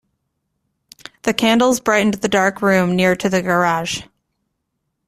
The candles brightened the dark room near to the garage.